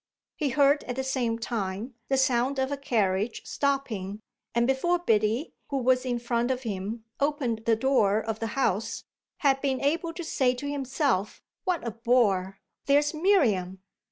He heard at the same time the sound of a carriage stopping, and before Biddy, who was in front of him, opened the door of the house had been able to say to himself, "What a bore there's Miriam!"